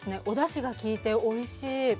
おだしがきいて、おいしい。